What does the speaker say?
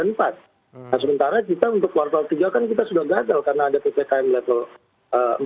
nah sementara kita untuk kuartal tiga kan kita sudah gagal karena ada ppkm level empat